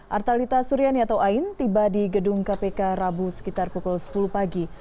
artalita suryani atau ain tiba di gedung kpk rabu sekitar pukul sepuluh pagi